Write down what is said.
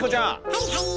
はいはい。